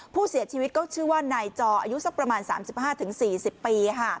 ผู้เสียชีวิตก็ชื่อว่านายจออายุสักประมาณ๓๕๔๐ปี